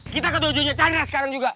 kita ketujuhnya chandra sekarang juga